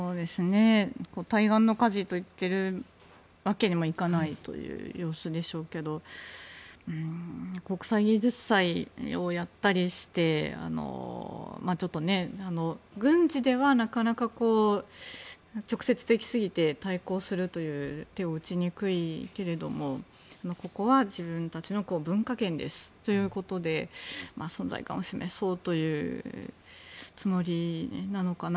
対岸の火事と言っているわけにもいかないという様子でしょうけど国際芸術祭をやったりしてちょっと軍事ではなかなか直接的すぎて対抗するという手を打ちにくいけれどもここは自分たちの文化圏ですということで存在感を示そうというつもりなのかな？